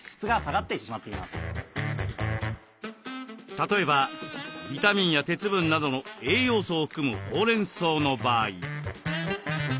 例えばビタミンや鉄分などの栄養素を含むほうれんそうの場合。